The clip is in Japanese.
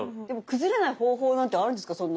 でも崩れない方法なんてあるんですか？